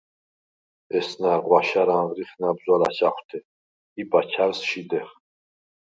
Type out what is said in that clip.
ესნა̈რ ღვაშა̈რ ანღრიხ ნა̈ბზვა̈ ლაჩა̈ხვთე ი ბაჩა̈რს შიდეხ.